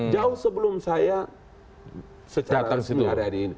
jauh sebelum saya